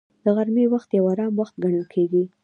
د غرمې وخت یو آرام وخت ګڼل کېږي